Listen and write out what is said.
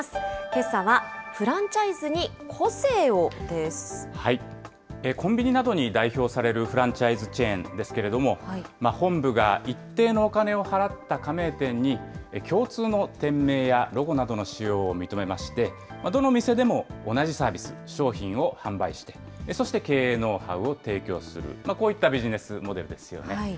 けさはフランチャイズに個性をでコンビニなどに代表されるフランチャイズチェーンですけれども、本部が一定のお金を払った加盟店に、共通の店名やロゴなどの使用を認めまして、どの店でも同じサービス、商品を販売して、そして経営ノウハウを提供する、こういったビジネスモデルですよね。